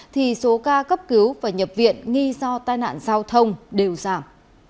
thì số ca cấp cứu và nhập viện nghi do tai nạn giao thông đều giảm